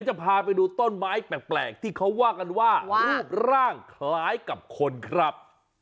จะพาไปดูต้นไม้แปลกที่เขาว่ากันว่ารูปร่างคล้ายกับคนครับ